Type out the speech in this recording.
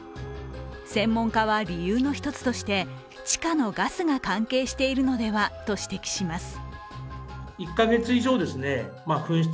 専門家は理由の１つとして、地下のガスが関係しているのではと指摘します。